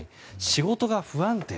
仕事が不安定。